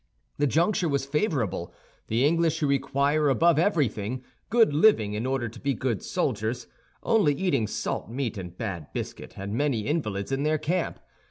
The juncture was favorable. The English, who require, above everything, good living in order to be good soldiers, only eating salt meat and bad biscuit, had many invalids in their camp.